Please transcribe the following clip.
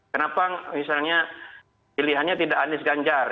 kenapa misalnya pilihannya tidak anies ganjar